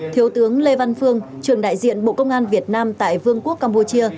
thiếu tướng lê văn phương trưởng đại diện bộ công an việt nam tại vương quốc campuchia